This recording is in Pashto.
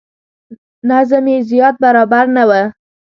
نظم یې زیات برابر نه و.